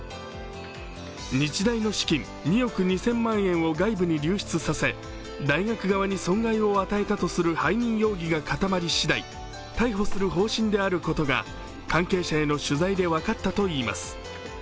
日大の資金２億２０００万円を外部に流出させ大学側に損害を与えたとする背任容疑が固まりしだい逮捕する方針であることが関係者への取材で分かったといいます。